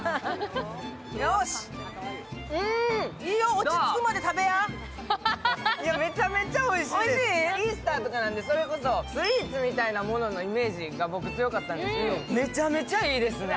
いいよ、落ち着くまで食べやイースターとかなので、それこそスイーツみたいなもののイメージが僕、強かったんですけど、めちゃめちゃいいですね。